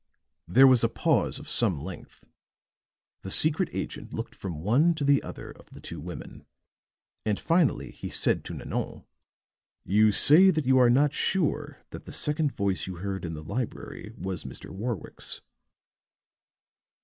There was a pause of some length; the secret agent looked from one to the other of the two women, and finally he said to Nanon: "You say that you are not sure that the second voice you heard in the library was Mr. Warwick's?"